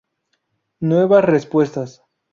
Nuevas respuestas.